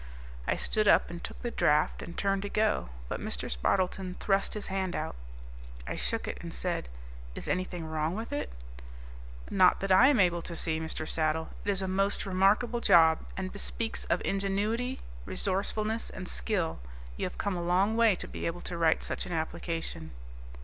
I stood up and took the draft and turned to go, but Mr. Spardleton thrust his hand out. I shook it and said, "Is anything wrong with it?" "Not that I am able to see, Mr. Saddle. It is a most remarkable job, and bespeaks of ingenuity, resourcefulness, and skill. You have come a long way to be able to write such an application."